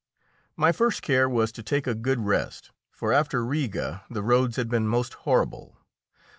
My first care was to take a good rest, for, after Riga, the roads had been most horrible.